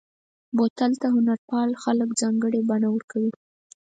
بوتل ته هنرپال خلک ځانګړې بڼه ورکوي.